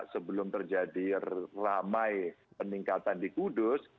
sebelum terjadi ramai peningkatan di kudus